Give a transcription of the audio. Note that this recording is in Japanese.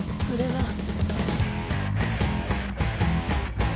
それは！